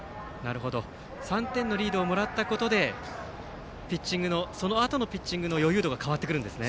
３点のリードをもらったことでそのあとのピッチングの余裕度が変わってくるんですね。